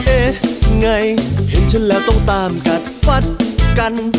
ไงเห็นฉันแล้วต้องตามกัดฟันกัน